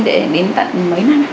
để đến tận mấy năm